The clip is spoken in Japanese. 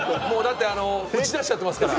打ち出しちゃってますから。